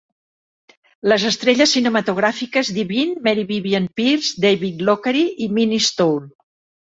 Les estrelles cinematogràfiques Divine, Mary Vivian Pearce, David Lochary i Mink Stole.